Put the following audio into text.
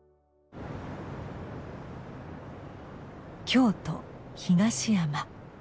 京都東山。